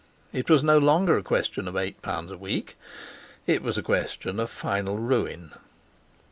It was no longer a question of eight pounds a week; it was a question of final ruin.